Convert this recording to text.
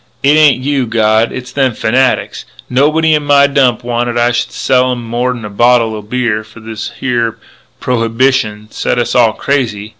It ain't you, God, it's them fanatics.... Nobody in my Dump wanted I should sell 'em more'n a bottle o' beer before this here prohybishun set us all crazy.